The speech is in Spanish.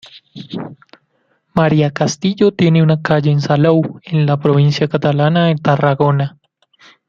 María Castillo tiene una calle en Salou, en la provincia catalana de Tarragona.